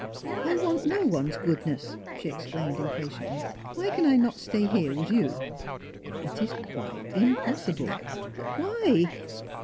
" I want no one's goodness," she exclaimed impatiently. *' Why can I not stay here with you ?"" It is quite impossible." " But why